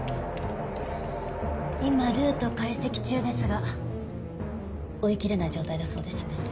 今ルート解析中ですが追い切れない状態だそうです。